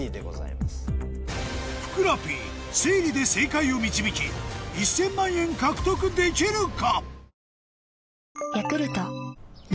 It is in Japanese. ふくらＰ推理で正解を導き１０００万円獲得できるか？